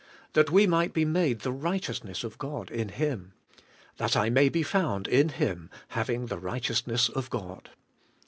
'That we might be made the righteousness of God in Him.' 'That I may be found in Him, having the righteous ness of God.'